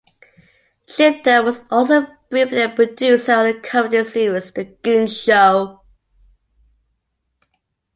Chilton was also briefly a producer on the comedy series "The Goon Show".